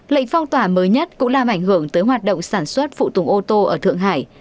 lệnh phong tỏa mới nhất cũng làm ảnh hưởng tới hoạt động sản xuất phụ tùng ô tô ở thượng hải